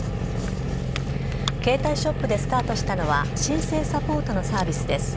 携帯ショップでスタートしたのは申請サポートのサービスです。